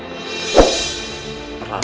nama aku rara santang